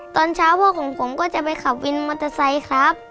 ตอนเช้าพ่อของผมก็จะไปขับวินมอเตอร์ไซค์ครับ